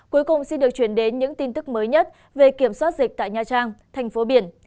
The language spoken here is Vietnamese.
cuối cùng xin được chuyển đến những tin tức mới nhất về kiểm soát dịch tại nha trang thành phố biển